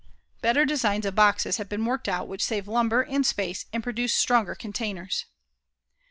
Better designs of boxes have been worked out which save lumber and space and produce stronger containers.